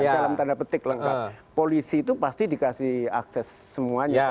dalam tanda petik lengkap polisi itu pasti dikasih akses semuanya